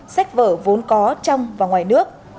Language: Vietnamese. sách vở vốn có trong và ngoài nước